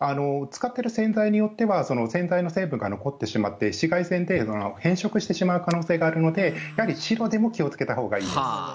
使っている洗剤によっては洗剤の成分が残ってしまって変色してしまう可能性があるので白でも気をつけたほうがいいです。